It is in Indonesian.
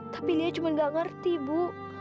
tapi lia cuma tidak mengerti bu